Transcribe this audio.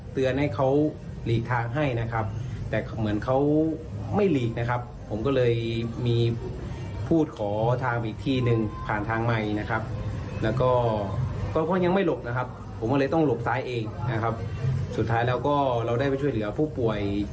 เพราะพ่อนยังไม่หลบนะครับผมก็เลยต้องหลบซ้ายเองนะครับสุดท้ายแล้วก็เราได้ไปช่วยเหลือผู้ป่วย